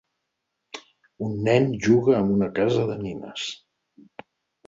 Un nen juga amb una casa de nines.